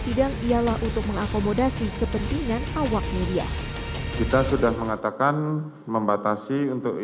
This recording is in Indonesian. sidang ialah untuk mengakomodasi kepentingan awak media kita sudah mengatakan membatasi untuk